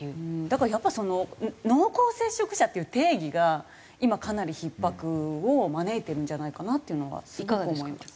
だからやっぱりその濃厚接触者っていう定義が今かなりひっ迫を招いてるんじゃないかなっていうのがすごく思います。